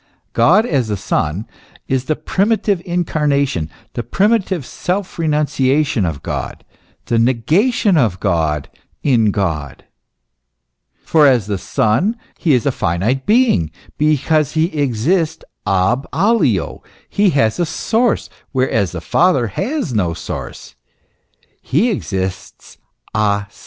* God as the Son is the primitive incarna tion, the primitive self renunciation of God, the negation of God in God ; for as the Son he is a finite being, because he exists a b alio, he has a source, whereas the Father has no source, he exists a se.